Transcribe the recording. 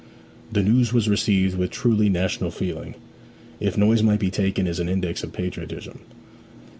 The news was received with truly national feeling, if noise might be taken as an index of patriotism.